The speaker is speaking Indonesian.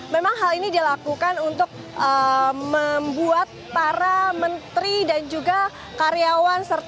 memang hal ini dilakukan untuk membuat para menteri dan juga karyawan